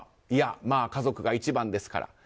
いや、まあ家族が一番ですから。